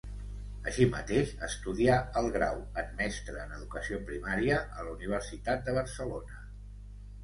Així mateix, estudià el Grau en Mestre en Educació Primària a la Universitat de Barcelona.